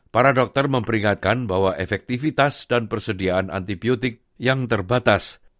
para dokter memperingatkan bahwa efektivitas dan persediaan antibiotik yang terbatas